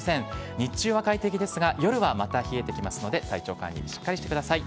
日中は快適ですが、夜はまた冷えてきますので、体調管理しっかりしてください。